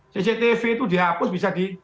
cctv itu dihapus bisa di